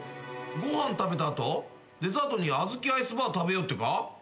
ご飯食べた後デザートにあずきアイスバー食べようってか？